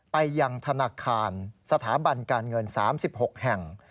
ไปยังธนาคารสถาบันการเงิน๓๖แห่ง